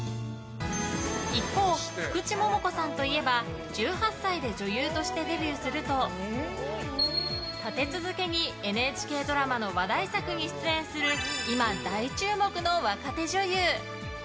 一方、福地桃子さんといえば１８歳で女優としてデビューすると立て続けにＮＨＫドラマの話題作に出演する今、大注目の若手女優。